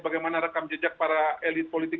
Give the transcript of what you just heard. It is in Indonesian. bagaimana rekam jejak para elit politik